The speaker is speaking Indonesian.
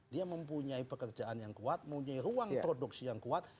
dia mempunyai pekerjaan yang kuat mempunyai ruang produksi yang kuat